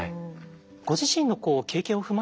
ご自身の経験を踏まえてですね